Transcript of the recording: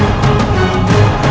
aku sudah berhenti